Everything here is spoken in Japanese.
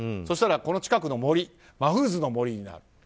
そしたら、近くの森はマフーズの森になる。